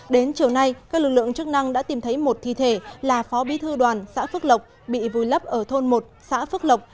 đến chiều nay các lực lượng chức năng đã tìm thấy một thi thể là phó bí thư đoàn xã phước lộc bị vùi lấp ở thôn một xã phước lộc